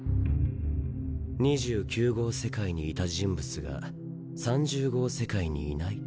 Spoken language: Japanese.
２９号世界にいた人物が３０号世界にいないと。